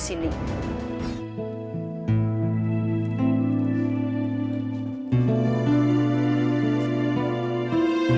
setiap malam jumat kliwon